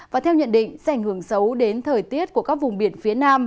và theo nhận định sẽ ảnh hưởng xấu đến thời tiết của các vùng biển phía nam